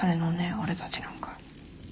俺たちなんか。